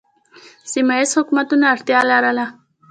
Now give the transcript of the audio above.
سیمه ییزو حکومتونو اړتیا لرله